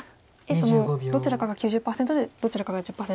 どちらかが９０％でどちらかが１０％。